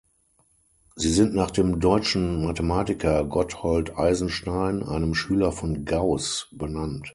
Sie sind nach dem deutschen Mathematiker Gotthold Eisenstein, einem Schüler von Gauß, benannt.